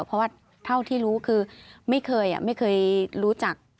เพราะว่าเท่าที่รู้คือไม่เคยไม่เคยรู้จัก